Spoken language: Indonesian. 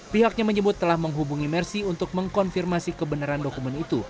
pihaknya menyebut telah menghubungi mercy untuk mengkonfirmasi kebenaran dokumen itu